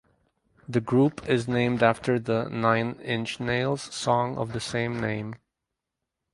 The group is named after the Nine Inch Nails song of the same name.